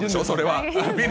それは。